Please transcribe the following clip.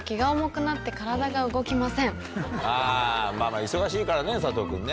あぁまぁまぁ忙しいからね佐藤君ね。